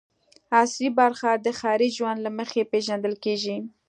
عصري برخه د ښاري ژوند له مخې پېژندل کېږي.